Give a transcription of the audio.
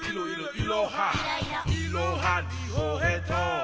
「いろはにほへと」